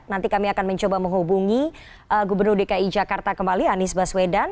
nanti kami akan mencoba menghubungi gubernur dki jakarta kembali anies baswedan